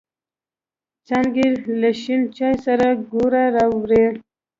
څانگې له شین چای سره گوړه راوړې.